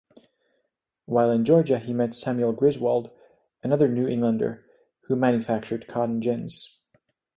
While in Georgia he met Samuel Griswold, another New Englander, who manufactured cotton gins.